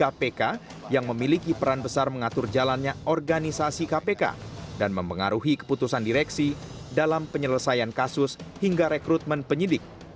kpk yang memiliki peran besar mengatur jalannya organisasi kpk dan mempengaruhi keputusan direksi dalam penyelesaian kasus hingga rekrutmen penyidik